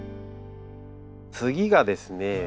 次がですね。